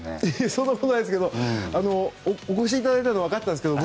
そんなことないですけどお越しいただいたのは分かってたんですけど